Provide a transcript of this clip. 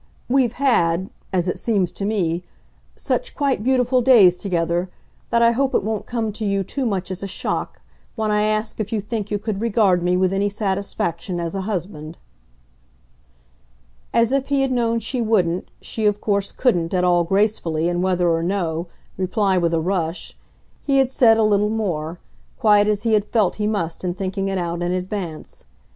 "We've had, as it seems to me, such quite beautiful days together, that I hope it won't come to you too much as a shock when I ask if you think you could regard me with any satisfaction as a husband." As if he had known she wouldn't, she of course couldn't, at all gracefully, and whether or no, reply with a rush, he had said a little more quite as he had felt he must in thinking it out in advance.